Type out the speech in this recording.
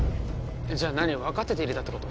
じゃ何？分かってて入れたってこと？